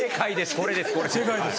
これです。